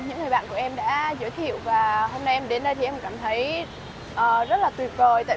những người bạn của em đã giới thiệu và hôm nay em đến đây thì em cảm thấy rất là tuyệt vời tại